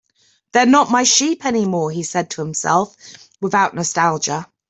"They're not my sheep anymore," he said to himself, without nostalgia.